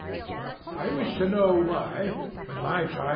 I wish to know why, when my child.